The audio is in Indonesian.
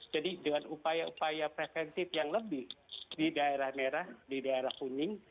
jadi dengan upaya upaya preventif yang lebih di daerah merah di daerah kuning